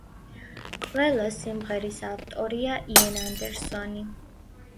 ყველა სიმღერის ავტორია იენ ანდერსონი.